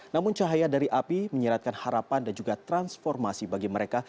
namun cahaya dari api menyeratkan harapan dan juga transformasi bagi mereka